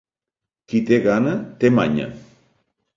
Qui té gana, té manya.